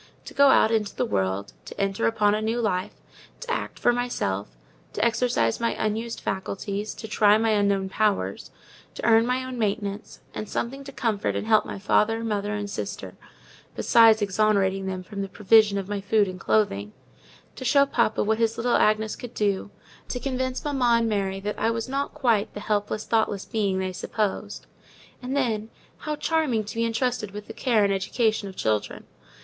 To go out into the world; to enter upon a new life; to act for myself; to exercise my unused faculties; to try my unknown powers; to earn my own maintenance, and something to comfort and help my father, mother, and sister, besides exonerating them from the provision of my food and clothing; to show papa what his little Agnes could do; to convince mamma and Mary that I was not quite the helpless, thoughtless being they supposed. And then, how charming to be entrusted with the care and education of children!